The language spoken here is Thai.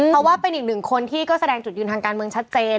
เพราะว่าเป็นอีกหนึ่งคนที่ก็แสดงจุดยืนทางการเมืองชัดเจน